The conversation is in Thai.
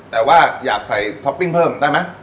แต่ว่าอยากใส่ท็อปปิ้งเพิ่มได้ไหม